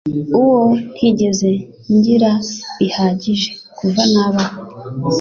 uwo ntigeze ngira bihagije kuvanabaho